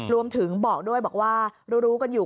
รวมถึงบอกด้วยบอกว่ารู้รู้กันอยู่